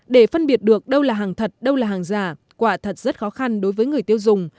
để phân biệt được đâu là hàng thật đâu là hàng giả quả thật rất khó khăn đối với người tiêu dùng